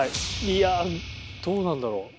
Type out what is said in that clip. いやあどうなんだろう？